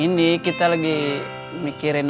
ini kita lagi mikirin